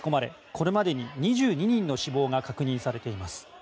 これまでに２２人の死亡が確認されています。